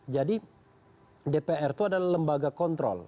jadi dpr itu adalah lembaga kontrol